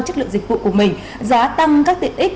chất lượng dịch vụ của mình giá tăng các tiện ích